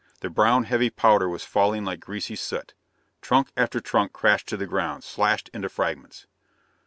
The brown, heavy powder was falling like greasy soot. Trunk after trunk crashed to the ground, slashed into fragments.